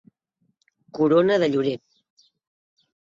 Corona de llorer.